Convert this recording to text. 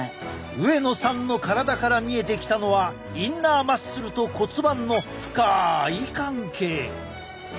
上野さんの体から見えてきたのはインナーマッスルと骨盤の深い関係。